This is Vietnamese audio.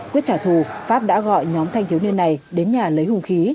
quyết trả thù pháp đã gọi nhóm thanh thiếu niên này đến nhà lấy hùng khí